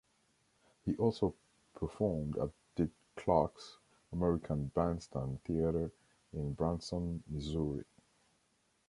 He also performed at Dick Clark's American Bandstand Theater in Branson, Missouri.